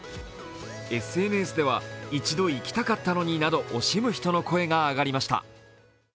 ＳＮＳでは、一度行きたかったのになど、惜しむム人の声が上がりました。